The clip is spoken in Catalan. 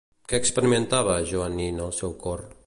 Què experimentava Joanín al seu cor?